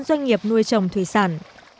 doanh nghiệp nuôi trồng thủy sản